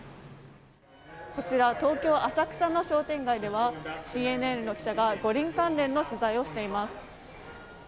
こちら東京・浅草の商店街ではＣＮＮの記者が五輪関連の取材をしています。